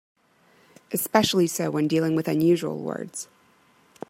Especially so when dealing with unusual words.